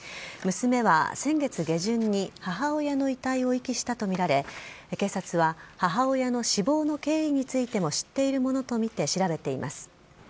娘は先月下旬に母親の遺体を遺棄したとみられ警察は母親の死亡の経緯についても知っているものとみて調べています。